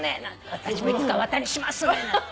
私もいつか綿にしますねなんて。